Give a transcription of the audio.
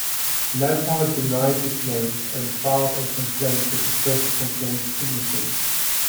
Lampard denied the claims and filed a complaint with the Press Complaints Commission.